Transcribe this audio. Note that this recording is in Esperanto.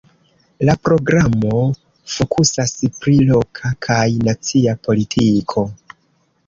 La programo fokusas pri loka kaj nacia politiko.